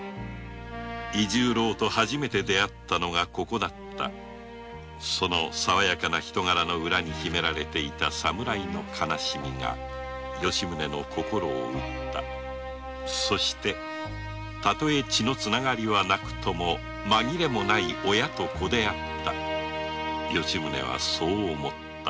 松永と初めて会ったのがここだったその爽やかな人柄の裏に秘められた侍の悲しみが吉宗の心をうったそしてたとえ血のつながりはなくとも紛れもない親と子であったと吉宗はそう思った